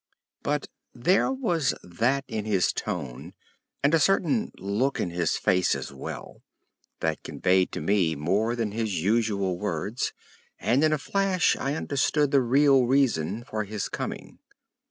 But there was that in his tone, and a certain look in his face as well, that conveyed to me more than his usual words, and in a flash I understood the real reason for his coming.